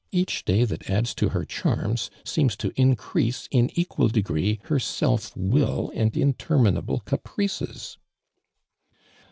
Kacli day that adds to her charms, seems to in crease, in equal degree, her self will and interminable caprices